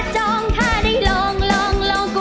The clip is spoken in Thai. ใจรองได้ช่วยกันรองด้วยนะคะ